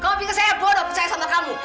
kau pikir saya bodoh percaya sama kamu